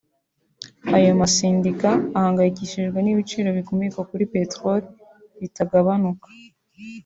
Ayo masendika ahangayikishijwe n’ibiciro bikomoka kuri peteroli bitagabanuka